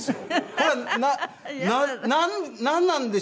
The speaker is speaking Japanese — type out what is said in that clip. これはなんなんでしょうか？